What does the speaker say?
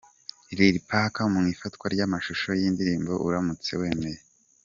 Lil Pac mu ifatwa ry'amashusho y'indirimbo 'Uramutse wemeye'.